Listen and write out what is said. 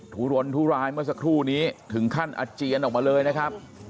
ุรนทุรายเมื่อสักครู่นี้ถึงขั้นอาเจียนออกมาเลยนะครับ